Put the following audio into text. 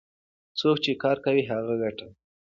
څوک چې کار کوي هغه ګټي.